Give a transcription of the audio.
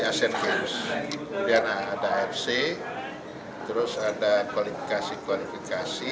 acn games kemudian ada fc terus ada kualifikasi kualifikasi